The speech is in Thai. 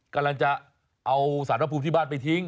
กำลังจะเอาสารพระภูมิที่บ้านไปทิ้ง